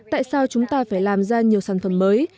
tại sao chúng ta phải làm ra nhiều sản phẩm mới